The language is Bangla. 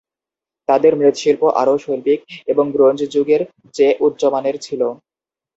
তাদের মৃৎশিল্প আরও শৈল্পিক এবং ব্রোঞ্জ যুগ এর চেয়ে উচ্চ মানের ছিল।